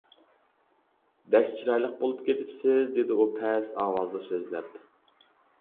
-بەك چىرايلىق بولۇپ كېتىپسىز، -دېدى ئۇ پەس ئاۋازدا سۆزلەپ.